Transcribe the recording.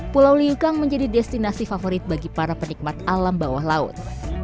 pulau liukang menjadi destinasi favorit bagi para penikmat alam bawah laut